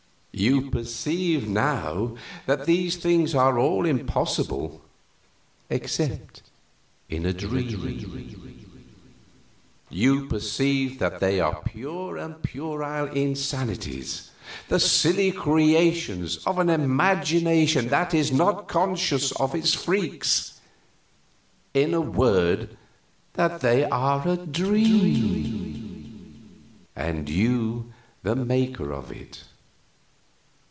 "You perceive, now, that these things are all impossible except in a dream. You perceive that they are pure and puerile insanities, the silly creations of an imagination that is not conscious of its freaks in a word, that they are a dream, and you the maker of it.